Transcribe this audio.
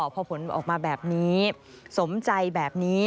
พอผลออกมาแบบนี้สมใจแบบนี้